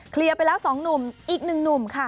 เคลียร์ไปแล้วสองหนุ่มอีกหนึ่งหนุ่มค่ะ